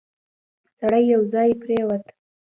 سړی یو ځای پرېووت.